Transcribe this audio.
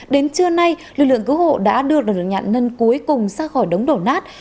đến trưa nay lực lượng cứu hộ đã đưa được nhạn nân cuối cùng xa khỏi đống đổ nát